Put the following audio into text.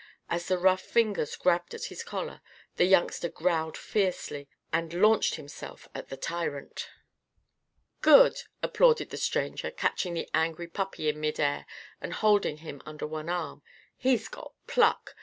As the rough fingers grabbed at his collar, the youngster growled fiercely and launched himself at the tyrant. "Good!" applauded the stranger, catching the angry puppy in mid air and holding him under one arm. "He's got pluck!